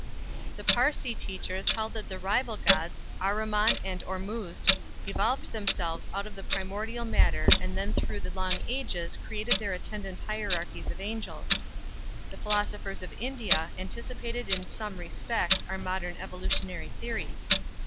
The Parsee teachers held that the rival gods, Ahriman and Ormuzd, evolved themselves out of primordial matter and then through the long ages created their attendant hierarchies of angels. The philosophers of India anticipated in some respects our modern evolutionary theory.